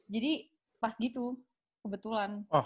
jadi pas gitu kebetulan